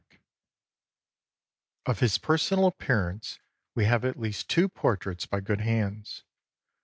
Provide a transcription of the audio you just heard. *] "Of his personal appearance we have at least two portraits by good hands.